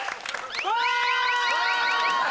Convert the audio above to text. うわ！